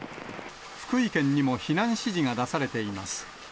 福井県にも避難指示が出されています。